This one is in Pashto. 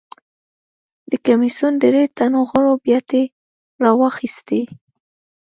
د کمېسیون درې تنو غړو بیاتۍ راواخیستې.